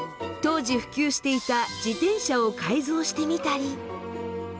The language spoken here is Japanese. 当時普及していた自転車を改造してみたり。